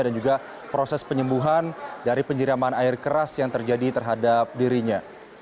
dan juga proses penyembuhan dari penjeramaan air keras yang terjadi terhadap dirinya